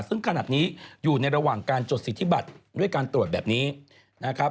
ซึ่งขนาดนี้อยู่ในระหว่างการจดสิทธิบัตรด้วยการตรวจแบบนี้นะครับ